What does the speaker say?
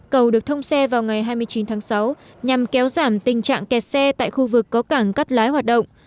cầu được thông xe vào ngày hai mươi chín tháng sáu nhằm kéo giảm tình trạng kẹt xe tại khu vực có cảng cắt lái hoạt động